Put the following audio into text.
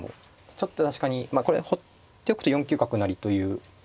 ちょっと確かにこれほっておくと４九角成という。